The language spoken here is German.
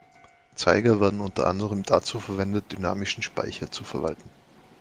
Zeiger werden unter anderem dazu verwendet, dynamischen Speicher zu verwalten.